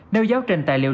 nếu giáo trình tài liệu